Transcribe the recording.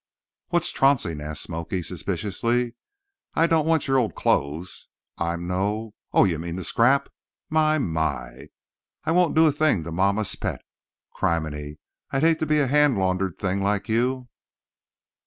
"Wot's trouncing?" asked "Smoky," suspiciously. "I don't want your old clothes. I'm no—oh, you mean to scrap! My, my! I won't do a thing to mamma's pet. Criminy! I'd hate to be a hand laundered thing like you.